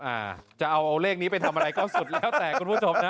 อ่าจะเอาเลขนี้ไปทำอะไรก็สุดแล้วแต่คุณผู้ชมนะ